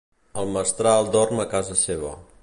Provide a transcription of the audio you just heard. El mestral dorm a casa seva.